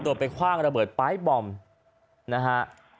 โดยไปคว่างระเบิดปลายบอมนะฮะ